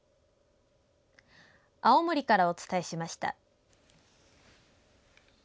青森からお伝えしました。